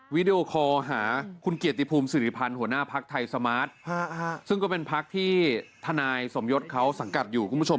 วิดีโอคอลหาคุณเกียรติภูมิสิริพันธ์หัวหน้าพักไทยสมาร์ทซึ่งก็เป็นพักที่ทนายสมยศเขาสังกัดอยู่คุณผู้ชม